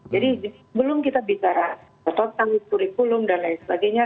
jadi belum kita bicara prototan kurikulum dan lain sebagainya